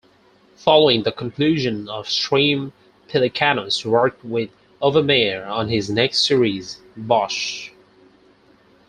Following the conclusion of "Treme" Pelecanos worked with Overmyer on his next series "Bosch".